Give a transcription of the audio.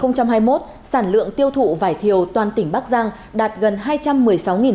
năm hai nghìn hai mươi một sản lượng tiêu thụ vải thiều toàn tỉnh bắc giang đạt gần hai trăm một mươi sáu tấn